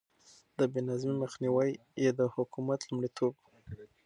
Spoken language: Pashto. د بې نظمي مخنيوی يې د حکومت لومړيتوب و.